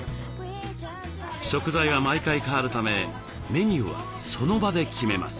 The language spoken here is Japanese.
食材は毎回変わるためメニューはその場で決めます。